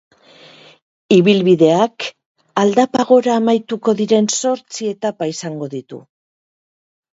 Ibilbideak aldapa gora amaituko diren zortzi etapa izango ditu.